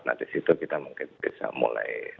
nah di situ kita mungkin bisa mulai